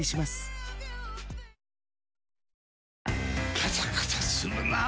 カサカサするなぁ。